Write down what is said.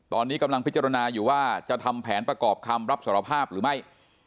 ตอนนี้กำลังพิจารณาอยู่ว่าจะทำแผนประกอบคำรับสารภาพหรือไม่